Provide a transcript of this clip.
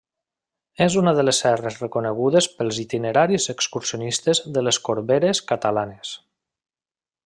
És una de les serres recorregudes pels itineraris excursionistes de les Corberes catalanes.